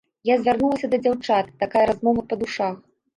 Я звярнулася да дзяўчат, такая размова па душах.